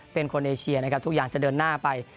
เป็นคนเอเชียนะครับทุกอย่างจะเดินหน้าไป